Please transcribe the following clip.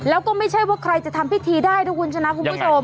แล้วก็ไม่ใช่ว่าใครจะทำพิธีได้นะคุณชนะคุณผู้ชม